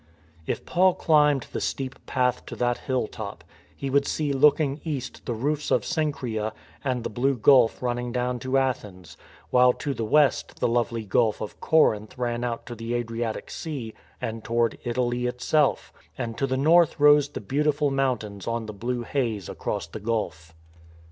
If Paul climbed the steep path to that hill top he would see looking east the roofs of Cenchreae and the blue gulf running down to Athens, while to the west the lovely Gulf of Corinth ran out to the Adriatic Sea and toward Italy itself, and to the north rose the beautiful mountains on the blue haze across the gulf.